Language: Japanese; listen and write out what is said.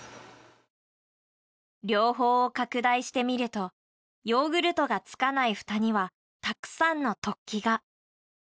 両方を拡大してみるとヨーグルトが付かないフタにはたくさんの突起が。